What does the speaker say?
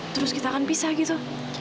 terus kita akan pisah gitu